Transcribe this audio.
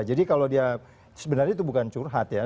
jadi kalau dia sebenarnya itu bukan curhat ya